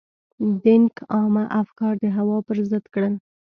دینګ عامه افکار د هوا پر ضد کړل.